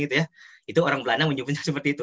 itu orang belanda menyebutnya seperti itu